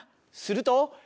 すると。